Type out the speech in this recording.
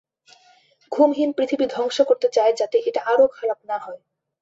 ঘুমহীন পৃথিবী ধ্বংস করতে চায় যাতে এটা আরো খারাপ না হয়।